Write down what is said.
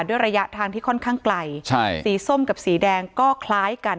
ด้วยระยะทางที่ค่อนข้างไกลใช่สีส้มกับสีแดงก็คล้ายกัน